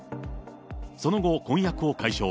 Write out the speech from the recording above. その後、婚約を解消。